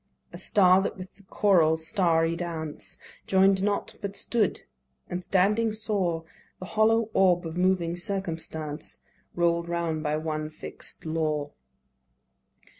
A star that with the choral starry dance Join'd not, but stood, and standing saw The hollow orb of moving Circumstance Roll'd round by one fix'd law.